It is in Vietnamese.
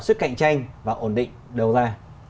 sức cạnh tranh và ổn định đầu ra